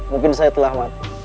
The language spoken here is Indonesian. mungkin saya telah mati